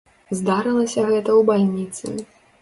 Здарылася гэта ў бальніцы.